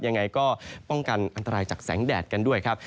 ยังไงก็ป้องกันอันตรายจากแสงแดดกันด้วยครับ